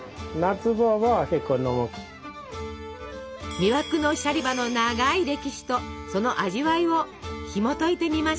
魅惑のシャリバの長い歴史とその味わいをひもといてみましょう！